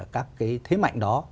các cái thế mạnh đó